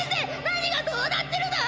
何がどうなってるだ？